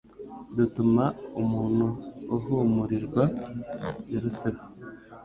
dutuma umuntu ahumurirwa biruseho